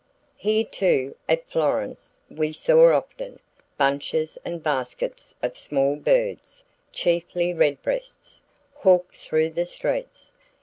"Here, too [at Florence] we saw often, bunches and baskets of small birds, chiefly redbreasts, hawked through the streets....